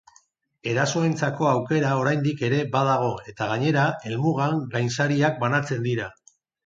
Erasoentzako aukera oraindik ere badago eta gainera, helmugan gainsariak banatzen dira.